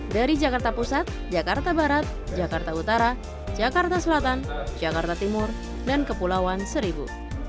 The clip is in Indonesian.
dari jakarta pusat jakarta barat jakarta utara jakarta selatan jakarta timur dan kepulauan seribu